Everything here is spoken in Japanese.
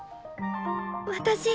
私